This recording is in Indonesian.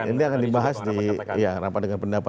ini akan dibahas di rapat dengan pendapat